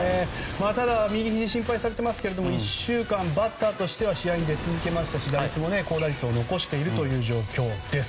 ただ、右ひじ心配されていますが１週間、バッターとしては試合に出続けましたし打率も高打率を残しているという状況です。